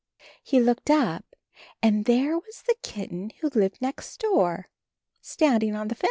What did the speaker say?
He looked up, and there was the kitten who lived next door, standing on the fence.